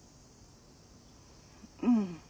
うん。